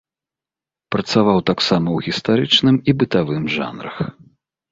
Працаваў таксама ў гістарычным і бытавым жанрах.